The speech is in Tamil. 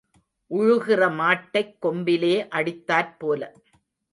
உழுகிற மாட்டைக் கொம்பிலே அடித்தாற் போல.